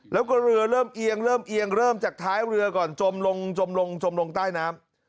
แล้วก็เรือเริ่มเอียงเริ่มเอียงเริ่มจากท้ายเรือก่อนจมลงจมลงจมลงใต้น้ำ